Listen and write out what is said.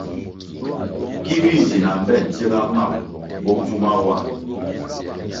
Ki vi nzi na mbpe ntsiga mam bopfuma wa.